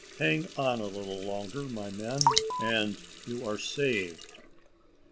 Hang on a little longer, my men, and you are saved."